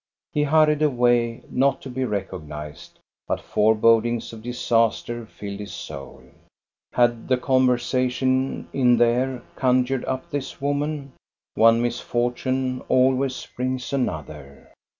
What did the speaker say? He hurried away not to be recognized, but forebodings of disaster filled MAMSELLE MARIE. 241 his soul. Had the conversation in there conjured up this woman? One misfortune always brings another.